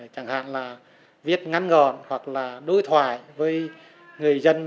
chẳng hạn là viết ngắn gọn hoặc là đối thoại với người dân